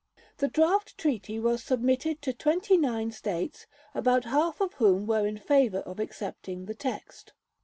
The draft treaty was submitted to 29 states, about half of whom were in favor of accepting the text.